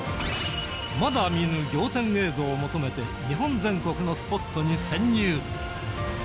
まだ見ぬ仰天映像を求めて日本全国のスポットに潜入